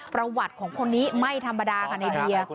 ประวัติของคนนี้ไม่ธรรมดาค่ะในเบียร์